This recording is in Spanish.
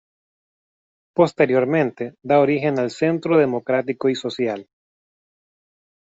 Posteriormente, da origen al Centro Democrático y Social.